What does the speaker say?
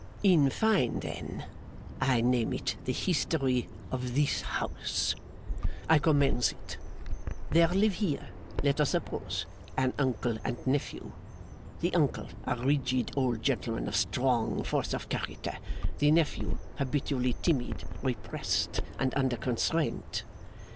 'In fine, then, I name it the history of this house. I commence it. There live here, let us suppose, an uncle and nephew. The uncle, a rigid old gentleman of strong force of character; the nephew, habitually timid, repressed, and under constraint.